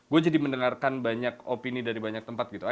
gue jadi mendengarkan banyak opini dari banyak tempat gitu